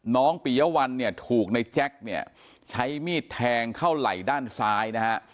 ปียวัลเนี่ยถูกในแจ็คเนี่ยใช้มีดแทงเข้าไหล่ด้านซ้ายนะฮะ